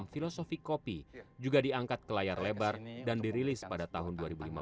filosofi kopi juga diangkat ke layar lebar dan dirilis pada tahun dua ribu lima belas